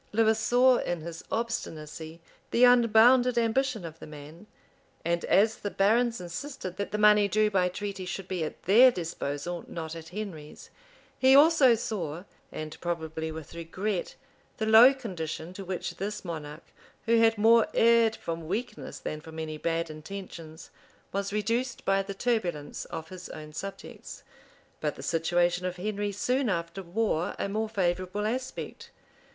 [] Lewis saw in his obstinacy the unbounded ambition of the man; and as the barons insisted that the money due by treaty should be at their disposal, not at Henry's, he also saw, and probably with regret, the low condition to which this monarch, who had more erred from weakness than from any bad intentions, was reduced by the turbulence of his own subjects. {1261.} But the situation of Henry soon after wore a more favorable aspect.